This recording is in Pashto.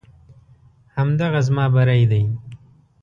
همدغه زما بری دی.